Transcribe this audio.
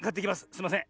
すいません。